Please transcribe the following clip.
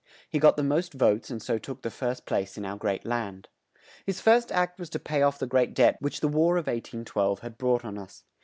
He got the most votes and so took the first place in our great land. His first act was to pay off the great debt which the War of 1812 had brought on us.